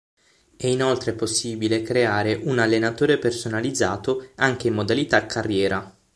È inoltre possibile creare un allenatore personalizzato anche in modalità carriera.